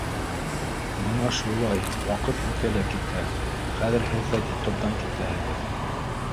Бына шулай ваҡыт үтә лә китә, хәҙер һеҙ ҙә детдомдан китәһегеҙ.